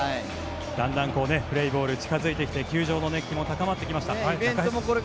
だんだんプレーボールが近付いてきて球場の熱気も高まってきました。